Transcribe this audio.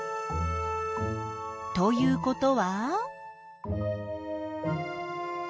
ということは？